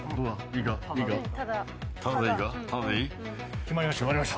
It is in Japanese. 決まりました